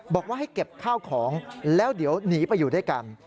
บอกว่าให้เก็บข้าวของแล้วเดี๋ยวหนีไปอยู่ด้วยกัน